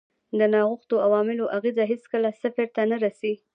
د ناغوښتو عواملو اغېز هېڅکله صفر ته نه رسیږي.